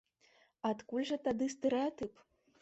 Адкуль жа тады стэрэатып?